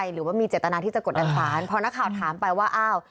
หรือว่ามีเจตนาที่จะกดดันสารพอนักข่าวถามไปว่าอ้าว